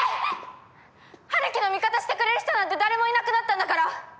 ハルキの味方してくれる人なんて誰もいなくなったんだから。